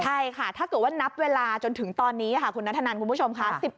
ใช่ค่ะถ้าเกิดว่านับเวลาจนถึงตอนนี้ค่ะคุณนัทธนันคุณผู้ชมค่ะ